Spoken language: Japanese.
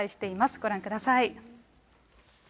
ご覧ください。